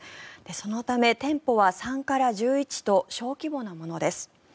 そのため、店舗は３から１１と小規模なものです。